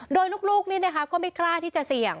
โดยลูกนี่นะคะก็ไม่กล้าที่จะเสี่ยง